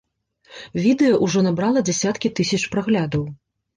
Відэа ўжо набрала дзясяткі тысяч праглядаў.